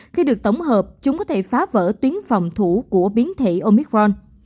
khi được tổng hợp chúng có thể phá vỡ tuyến phòng thủ của biến thể omicron